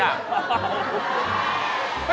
เอ้า